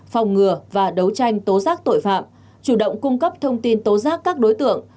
phòng ngừa và đấu tranh tố giác tội phạm chủ động cung cấp thông tin tố giác các đối tượng